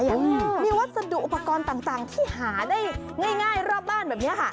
มีวัสดุอุปกรณ์ต่างที่หาได้ง่ายรอบบ้านแบบนี้ค่ะ